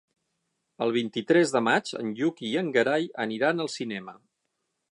El vint-i-tres de maig en Lluc i en Gerai aniran al cinema.